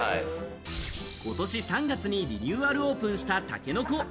ことし３月にリニューアルオープンした、竹の子。